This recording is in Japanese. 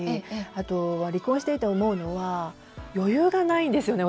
あと、離婚していて思うのは余裕がないんですよね。